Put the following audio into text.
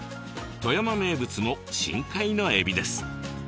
富山名物の深海のエビです。